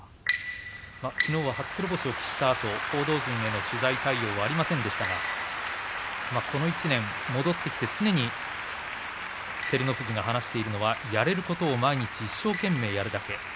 きのうは初黒星を喫したあと報道陣への取材対応はありませんでしたがこの１年、戻ってきて常に照ノ富士が話しているのはやれることを毎日一生懸命やるだけ。